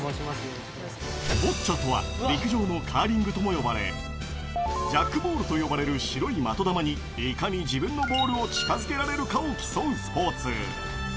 ボッチャとは陸上のカーリングとも呼ばれ、ジャックボールと呼ばれる白い的球に、いかに自分のボールを近づけられるかを競うスポーツ。